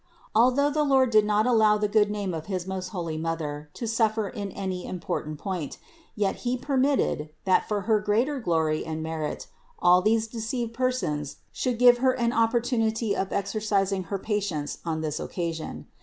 Al though the Lord did not allow the good name of his most holy Mother to suffer in any important point, yet He permitted, that for her greater glory and merit, all these deceived persons should give Her an opportunity of exercising her patience on this occasion.